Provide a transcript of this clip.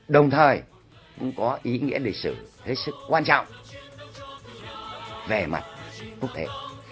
đồng thời cũng có ý nghĩa lịch sử hết sức quan trọng về mặt quốc tế